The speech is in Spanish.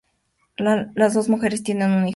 Las dos mujeres tienen un hijo.